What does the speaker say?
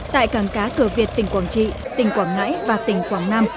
tại cảng cá cửa việt tỉnh quảng trị tỉnh quảng ngãi và tỉnh quảng nam